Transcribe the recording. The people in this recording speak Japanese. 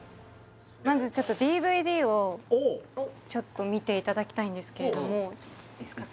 まずちょっとＤＶＤをちょっと見ていただきたいんですけれどもいいですか？